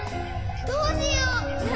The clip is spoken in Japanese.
どうしよう。